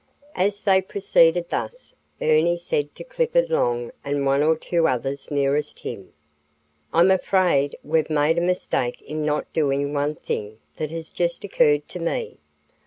As they proceeded thus, Ernie said to Clifford Long and one or two others nearest him: "I'm afraid we've made a mistake in not doing one thing that has just occurred to me.